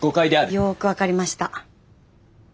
よく分かりました。